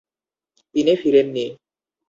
তিনি ফিরেননি।